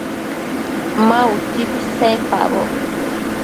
Ma utsi pisenpacboc